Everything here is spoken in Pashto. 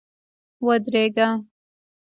ودرېږه !